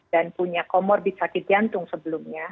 dan punya comorbid sakit jantung sebelumnya